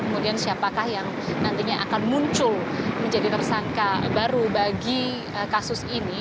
kemudian siapakah yang nantinya akan muncul menjadi tersangka baru bagi kasus ini